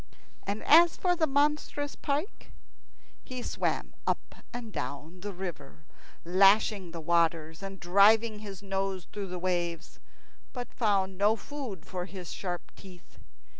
And as for the monstrous pike, he swam up and down the great river, lashing the waters, and driving his nose through the waves, but found no food for his sharp teeth.